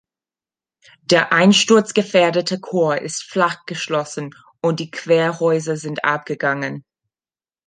Der einsturzgefährdete Chor ist flach geschlossen und die Querhäuser sind abgegangen.